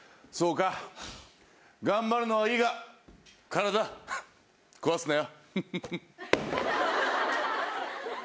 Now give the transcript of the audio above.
そうか、頑張るのはいいが体、壊すなよ。